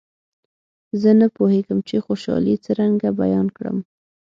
زه نه پوهېږم چې خوشالي څرنګه بیان کړم.